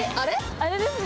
あれですね。